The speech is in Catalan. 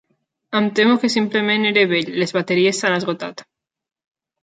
Em temo que simplement era vell, les bateries s'han esgotat.